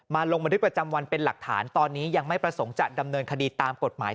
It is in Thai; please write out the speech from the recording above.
ลงบันทึกประจำวันเป็นหลักฐานตอนนี้ยังไม่ประสงค์จะดำเนินคดีตามกฎหมาย